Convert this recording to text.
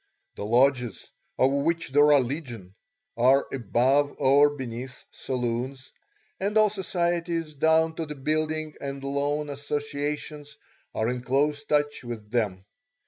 The lodges, of which there are legion, are above or beneath saloons, and all societies down to the building and loan associations are in close touch with them.